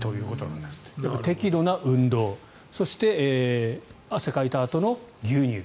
だから適度な運動そして汗をかいたあとの牛乳。